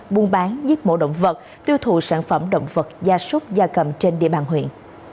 buôn bán giết mổ động vật tiêu thụ sản phẩm động vật da súc da cầm trên địa bàn huyện